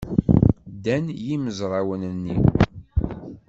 Ddan yimezrawen-nni.